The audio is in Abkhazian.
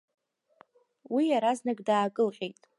Уи иаразнак даакылҟьеит.